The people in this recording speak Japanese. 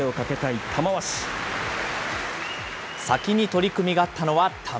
先に取組があったのは玉鷲。